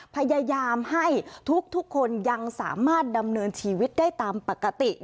พยายามให้ทุกคนยังสามารถดำเนินชีวิตได้ตามปกติ